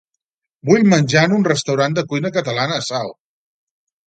Vull menjar en un restaurant de cuina catalana a Salt.